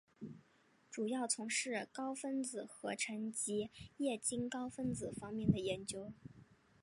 主要从事高分子合成及液晶高分子方面的研究。